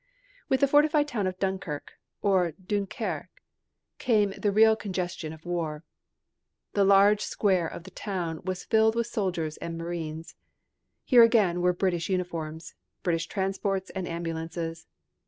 With the fortified town of Dunkirk or Dunkerque came the real congestion of war. The large square of the town was filled with soldiers and marines. Here again were British uniforms, British transports and ambulances.